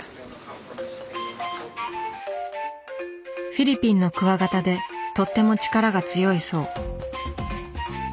フィリピンのクワガタでとっても力が強いそう。